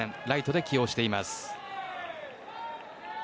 ライトで起用しています。